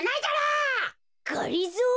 がりぞー？